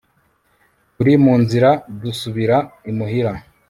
Turi mu nzira dusubira imuhira